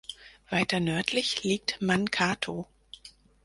Weiter nördlich liegt Mankato.